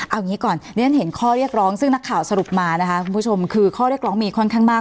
เอางี้ก่อนเรียนเห็นข้อเรียกร้องซึ่งนักข่าวสรุปมานะคะคุณผู้ชมคือข้อเรียกร้องมีค่อนข้างมาก